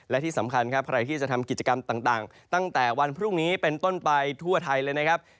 และที่สำคัญครับใครที่จะทำกิจกรรมต่างตั้งแต่วันพรุ่งนี้เป็นต้นไปทั่วไทยเลยนะครับ